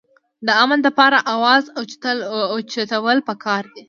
د امن دپاره اواز اوچتول پکار دي